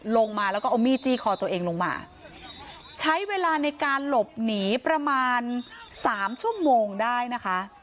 ลงมาแล้วก็เอามีดจี้คอตัวเองลงมาใช้เวลาในการหลบหนีประมาณสามชั่วโมงได้นะคะ